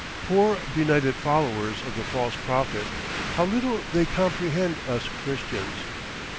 Poor benighted followers of the False Prophet, how little they comprehend us Christians!